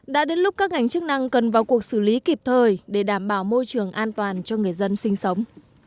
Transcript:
đã đến lúc các ngành chức năng cần vào cuộc xử lý kịp thời để đảm bảo môi trường an toàn cho người dân sinh sống